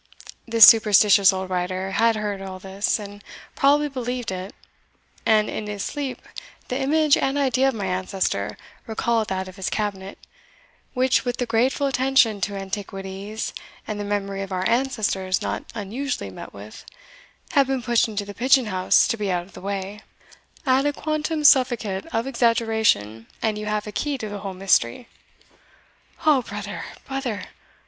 This superstitious old writer had heard all this, and probably believed it, and in his sleep the image and idea of my ancestor recalled that of his cabinet, which, with the grateful attention to antiquities and the memory of our ancestors not unusually met with, had been pushed into the pigeon house to be out of the way Add a quantum sufficit of exaggeration, and you have a key to the whole mystery." "O brother! brother!